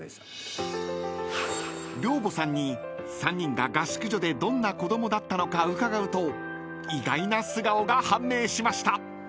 ［寮母さんに３人が合宿所でどんな子供だったのか伺うと意外な素顔が判明しました］